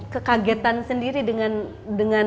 kekagetan sendiri dengan